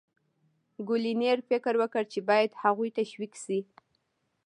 کولینز فکر وکړ چې باید هغوی تشویق شي.